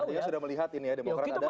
artinya sudah melihat ini ya demokrat ada